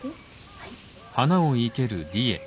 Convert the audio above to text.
はい。